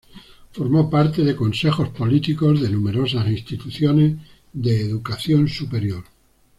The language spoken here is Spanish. Formó parte de consejos políticos de numerosas instituciones de educación superior.